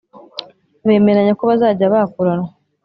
Bemeranya ko bazajya bakuranwa